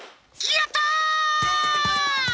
やった！